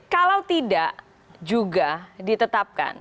kalau tidak juga ditetapkan